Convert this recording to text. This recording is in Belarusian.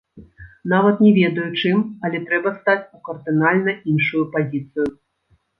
Нават не ведаю, чым, але трэба стаць у кардынальна іншую пазіцыю!